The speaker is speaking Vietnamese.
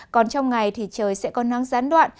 còn trong ngày thì trời sẽ có nắng gián đoạn